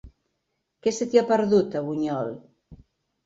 Què se t'hi ha perdut, a Bunyol?